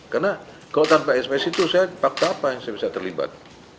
karena kalau tanpa sms itu saya fakta apa yang saya bisa terlibat